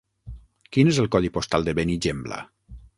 Quin és el codi postal de Benigembla?